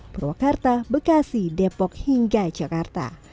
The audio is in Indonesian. purwakarta bekasi depok hingga jakarta